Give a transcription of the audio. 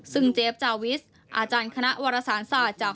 ซึ่งเจฟจาวิสอาจารย์คณะวรสารศาสตร์จาก